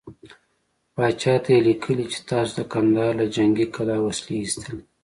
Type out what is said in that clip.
پاچا ته يې ليکلي دي چې تاسو د کندهار له جنګې کلا وسلې ايستلې.